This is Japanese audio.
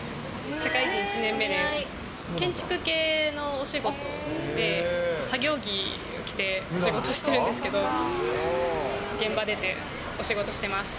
社会人１年目で、建築系のお仕事で、作業着を着て仕事してるんですけど、現場出て、お仕事してます。